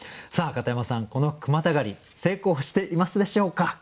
さあ片山さんこの句またがり成功していますでしょうか？